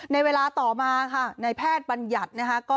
ในเวลาต่อมาในแพทย์บรรยัตน์